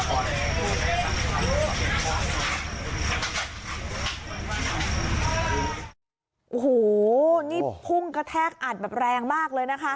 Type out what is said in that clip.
โอ้โหนี่พุ่งกระแทกอัดแบบแรงมากเลยนะคะ